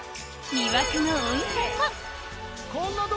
魅惑の温泉も